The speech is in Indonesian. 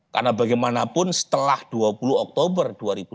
karena bagaimanapun setelah dua puluh oktober dua ribu dua puluh empat